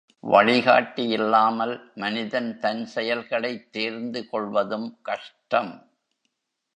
வழிகாட்டி இல்லாமல் மனிதன் தன் செயல்களைத் தேர்ந்து கொள்வதும் கஷ்டம்.